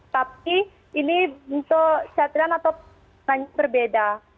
tapi ini bentuk catrian atau berbeda